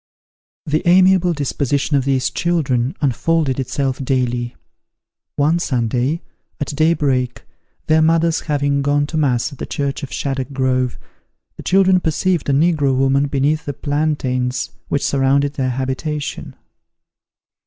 The amiable disposition of these children unfolded itself daily. One Sunday, at day break, their mothers having gone to mass at the church of Shaddock Grove, the children perceived a negro woman beneath the plantains which surrounded their habitation.